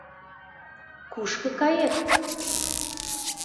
Кушко кает?